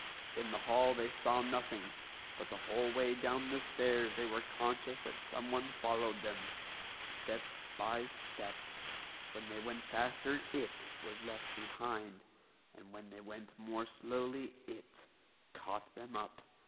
In the hall they saw nothing, but the whole way down the stairs they were conscious that someone followed them; step by step; when they went faster IT was left behind, and when they went more slowly IT caught them up.